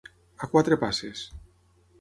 A quatre passes.